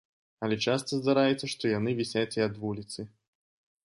Але часта здараецца, што яны вісяць і ад вуліцы.